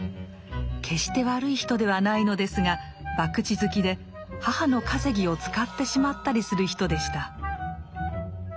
決して悪い人ではないのですが博打好きで母の稼ぎを使ってしまったりする人でした。